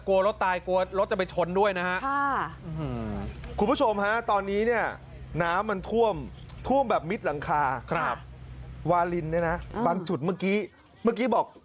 วารินส์เนี้ยนะบางชุดเมื่อกี้เมื่อกี้บอก